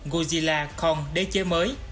godzilla kong đế chế mới